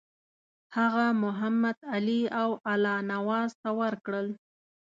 هغه محمدعلي او الله نواز ته ورکړل.